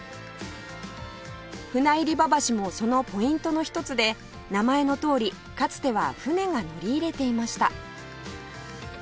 船入場橋もそのポイントの一つで名前のとおりかつては船が乗り入れていました